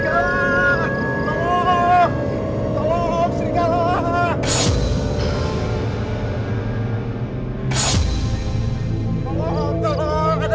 saya nggak tahu pak